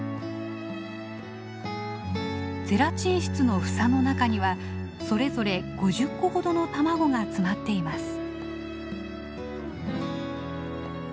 ゼラチン質の房の中にはそれぞれ５０個ほどの卵が詰まっています。